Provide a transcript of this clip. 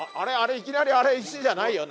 いきなりあれ石じゃないよね？